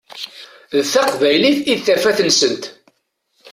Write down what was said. D taqbaylit i d tafat-nsent.